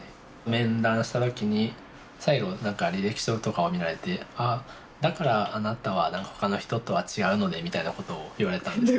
面談した時に最後何か履歴書とかを見られて「だからあなたは他の人とは違うのね」みたいなことを言われたんですね。